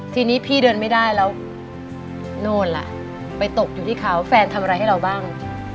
ทีนี้พี่เดินไม่ได้แล้วโน่นล่ะไปตกอยู่ที่เขาแฟนทำอะไรให้เราบ้าง